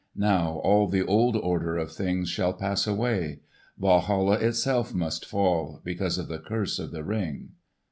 Now, all the old order of things shall pass away. Walhalla itself must fall, because of the curse of the Ring."